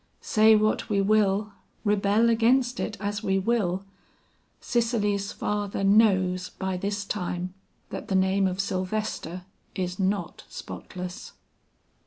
Say what we will, rebel against it as we will, Cicely's father knows by this time that the name of Sylvester is not spotless."